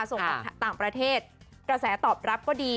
ส่งต่างประเทศกระแสตอบรับก็ดี